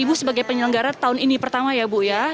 ibu sebagai penyelenggara tahun ini pertama ya bu ya